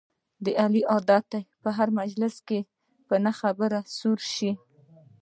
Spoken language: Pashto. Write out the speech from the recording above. د علي عادت دی په هر مجلس کې په نه خبره سور شي.